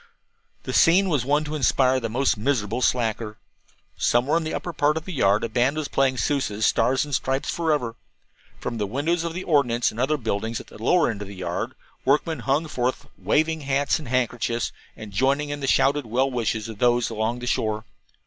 The scene was one to inspire the most miserable slacker. Somewhere in the upper part of the yard a band was playing Sousa's "Stars and Stripes Forever." From the windows of the ordnance and other buildings at the lower end of the yard workmen hung forth, waving hats and handkerchiefs, and joining in the shouted well wishes of those along the shore.